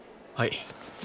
はい。